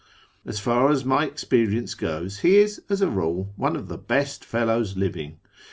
As far as my experience goes, he is, as a rule, one of the best fellows living.